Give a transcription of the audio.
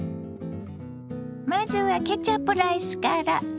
まずはケチャップライスから。